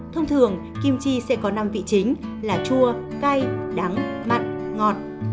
thông thường kim chi sẽ có năm vị chính là chua cay đắng mặn ngọt